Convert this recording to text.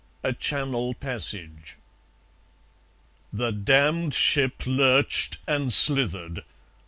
A Channel Passage The damned ship lurched and slithered.